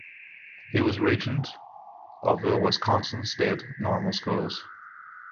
He was regent of the Wisconsin state normal schools.